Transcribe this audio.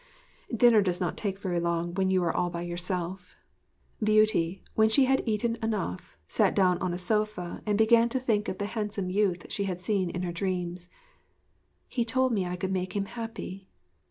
Dinner does not take very long when you are all by yourself. Beauty, when she had eaten enough, sat down on a sofa and began to think of the handsome youth she had seen in her dream. 'He told me I could make him happy.